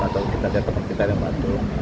atau teman teman kita yang bantu